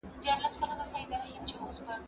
کېدای سي تمرين ستړي وي!!